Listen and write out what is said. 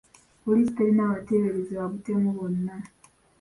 Poliisi terina bateeberezebwa butemu bonna.